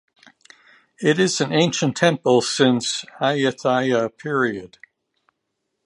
It is an ancient temple since Ayutthaya period.